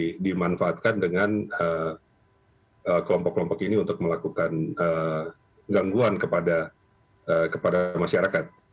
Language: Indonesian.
dan pemerintah itu dimanfaatkan dengan kelompok kelompok ini untuk melakukan gangguan kepada masyarakat